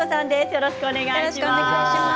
よろしくお願いします。